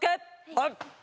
はい。